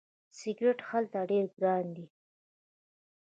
سیګرټ هلته ډیر ګران دي.